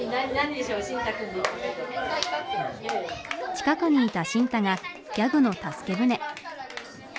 近くにいた新太がギャグの助け船。